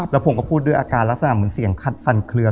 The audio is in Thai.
แล้วผมก็พูดด้วยอาการลักษณะเหมือนเสียงคัดสั่นเคลือ